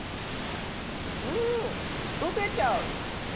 うん溶けちゃう。